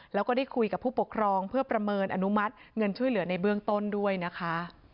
แล้วก็ได้คุยกับผู้ปกครองเพื่อประเมินอนุมัติเงินช่วยเหลือในเบื้องต้นด้วยนะคะ